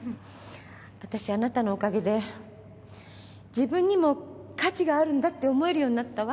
あたしあなたのおかげで自分にも価値があるんだって思えるようになったわ。